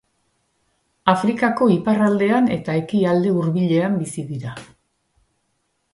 Afrikako iparraldean eta Ekialde Hurbilean bizi dira.